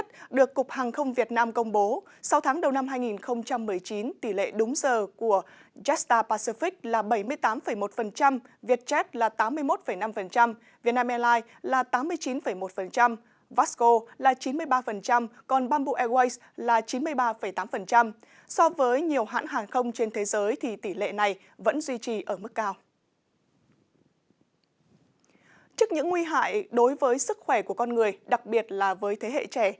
trước những nguy hại đối với sức khỏe của con người đặc biệt là với thế hệ trẻ